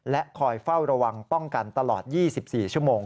และคอยเฝ้าระวังป้องกันตลอด๒๔ชั่วโมง